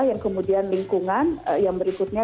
yang kemudian lingkungan yang berikutnya